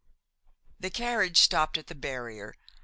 XXIX The carriage stopped at the barrier.